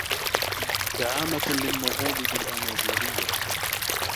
دعامة للنهوض بالأمازيغية